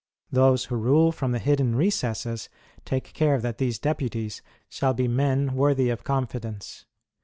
Those who rule from the hidden recesses take care that these deputies shall be men worthy of confidence.